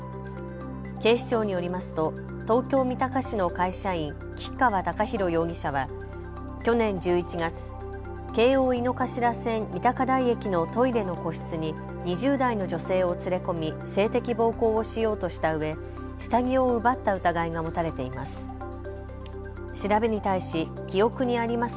警視庁によりますと東京三鷹市の会社員、吉川貴大容疑者は去年１１月、京王井の頭線三鷹台駅のトイレの個室に２０代の女性を連れ込み性的暴行をしようとしたうえ下着を奪った疑いが持たれています。